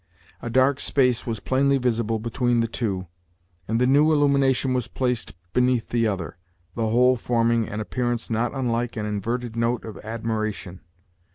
A dark space was plainly visible between the two, and the new illumination was placed beneath the other, the whole forming an appearance not unlike an inverted note of admiration.